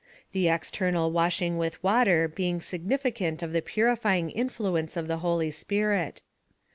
The external washing with water being significant of the purifying influence of the Holy Spirit.